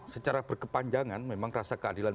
secara berkepanjangan memang rasa keadilan